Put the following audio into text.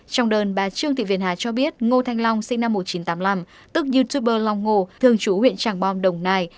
trong đơn bà trương thị việt hà cho biết ngô thanh long sinh năm một nghìn chín trăm tám mươi năm tức youtuber lòng hồ thường trú huyện tràng bom đồng nai